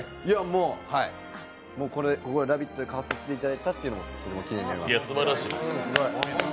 もう「ラヴィット！」で買わせていただいたのが記念になります。